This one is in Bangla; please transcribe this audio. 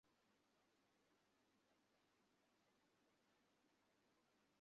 ফলে সিদ্ধান্ত নিতে তাঁরাও কিছুটা দ্বিধাদ্বন্দ্বে আছেন।